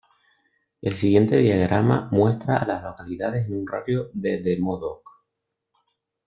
El siguiente diagrama muestra a las localidades en un radio de de Modoc.